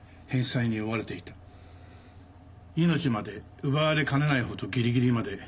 命まで奪われかねないほどギリギリまで追い込まれていた。